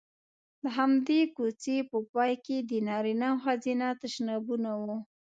د همدې کوڅې په پای کې د نارینه او ښځینه تشنابونه وو.